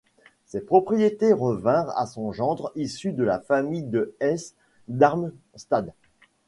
Ses propriétés revinrent à son gendre issu de la famille de Hesse-Darmstadt.